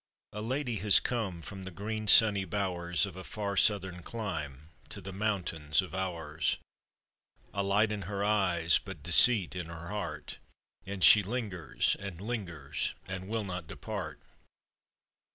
A lady has come from the green sunny bowers Of a far southern clime, to the mountains of ours; A light in her eyes, but deceit in her heart, And she lingers, and lingers, and will not depart.